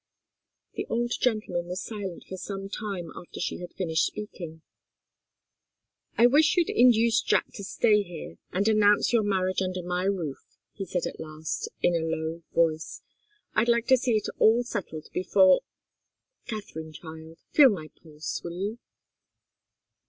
The old gentleman was silent for some time after she had finished speaking. "I wish you'd induce Jack to stay here, and announce your marriage under my roof," he said at last, in a low voice. "I'd like to see it all settled before Katharine, child, feel my pulse, will you?"